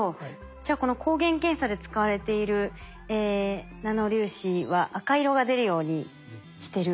じゃあこの抗原検査で使われているナノ粒子は赤色が出るようにしてるっていうサイズのもの。